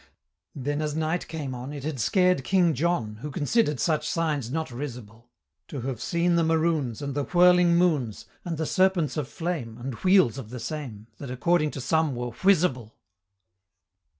Then as night came on, It had scared King John Who considered such signs not risible, To have seen the maroons, And the whirling moons, And the serpents of flame, And wheels of the same, That according to some were "whizzable."